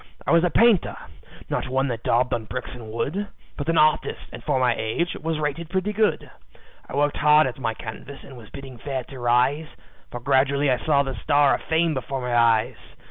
"I was a painter not one that daubed on bricks and wood, But an artist, and for my age, was rated pretty good. I worked hard at my canvas, and was bidding fair to rise, For gradually I saw the star of fame before my eyes.